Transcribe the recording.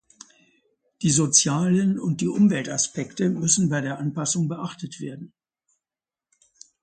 Die sozialen und die Umweltaspekte müssen bei der Anpassung beachtet werden.